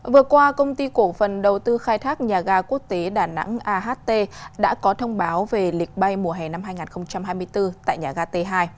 vừa qua công ty cổ phần đầu tư khai thác nhà ga quốc tế đà nẵng aht đã có thông báo về lịch bay mùa hè năm hai nghìn hai mươi bốn tại nhà ga t hai